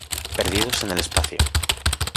Perdidos en el espacio.